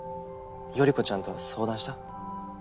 頼子ちゃんとは相談した？